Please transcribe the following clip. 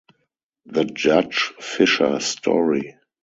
The Judge Fisher Story.